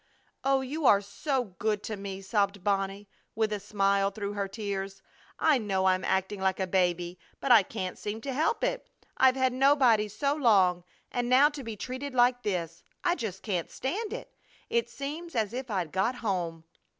"Oh, you are so good to me!" sobbed Bonnie, with a smile through her tears. "I know I'm acting like a baby, but I can't seem to help it. I've had nobody so long, and now to be treated like this, I just can't stand it! It seems as if I'd got home!"